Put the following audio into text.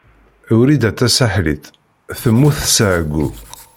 Wrida Tasaḥlit temmut seg ɛeyyu.